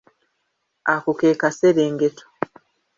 Ako ke kaserengeto.